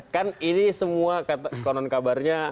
kan ini semua konon kabarnya